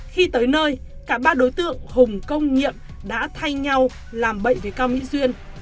khi tới nơi cả ba đối tượng hùng công nhiệm đã thay nhau làm bậy với cao mỹ duyên